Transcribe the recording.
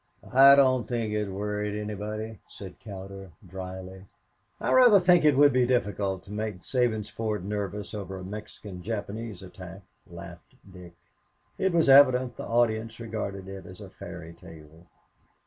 "I don't think it worried anybody," said Cowder, dryly. "I rather think it would be difficult to make Sabinsport nervous over a Mexican Japanese attack," laughed Dick. "It was evident the audience regarded it as a fairy tale."